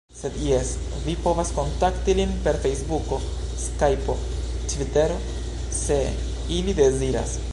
Sed, jes vi povas kontakti lin per fejsbuko, skajpo, tvitero se ili deziras.